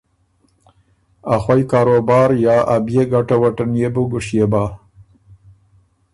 اخوئ کاروبار یا ا بيې ګټۀ وټه نيې بو ګُشيې بۀ۔